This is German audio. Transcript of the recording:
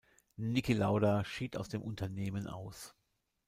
Niki Lauda schied aus dem Unternehmen aus.